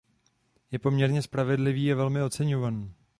Je poměrně spravedlivý a velmi oceňovaný.